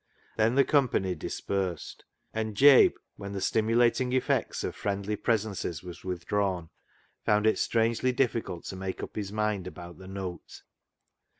Then the company dispersed ; and Jabe, when the stimulating effects of friendly pre sences was withdrawn, found it strangely difficult to make up his mind about the note.